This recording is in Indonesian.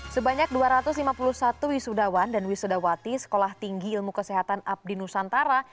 sebanyak dua ratus lima puluh satu wisudawan dan wisudawati sekolah tinggi ilmu kesehatan abdi nusantara